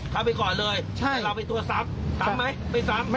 เข้าไปก่อนเลยใช่ให้เราไปตัวซ้ำซ้ำไหมไปซ้ำ